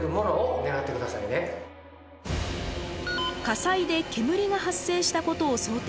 火災で煙が発生したことを想定したエリア。